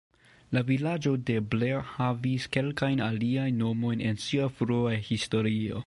La vilaĝo de Blair havis kelkajn aliajn nomojn en sia frua historio.